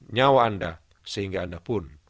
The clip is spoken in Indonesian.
nyawa anda sehingga anda pun